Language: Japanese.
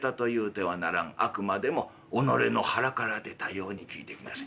あくまでも己の肚から出たように聞いてみなさい。